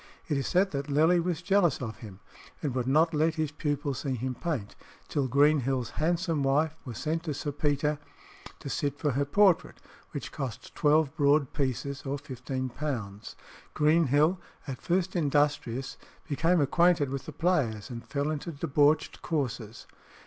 It is said that Lely was jealous of him, and would not let his pupil see him paint, till Greenhill's handsome wife was sent to Sir Peter to sit for her portrait, which cost twelve broad pieces or £15. Greenhill, at first industrious, became acquainted with the players, and fell into debauched courses.